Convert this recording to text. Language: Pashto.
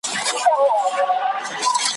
« خدای دي نه ورکوي خره لره ښکرونه `